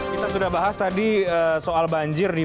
kita sudah bahas tadi soal banjir di